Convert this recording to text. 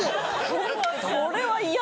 これは嫌。